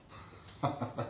ハハハハハ。